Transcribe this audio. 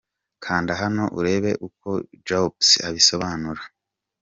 Kanda hano urebe uko Jobs abisobanura .